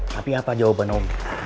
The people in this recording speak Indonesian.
tapi apa jawaban naomi